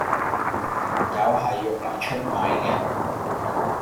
朋友係用黎出賣既